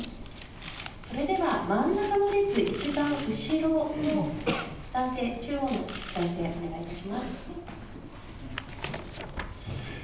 それでは真ん中の列、一番後ろの男性、中央の男性お願いいたします。